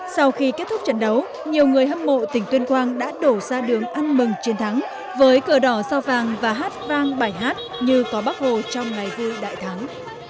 sau khi kết thúc trận đấu nhiều người hâm mộ tỉnh tuyên quang đã đổ ra đường ăn mừng chiến thắng với cờ đỏ sao vàng và hát vang bài hát như có bác hồ trong ngày vui đại thắng